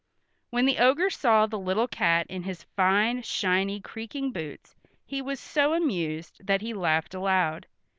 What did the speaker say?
When the ogre saw the little cat in his fine shiny, creaking boots he was so amused that he laughed aloud.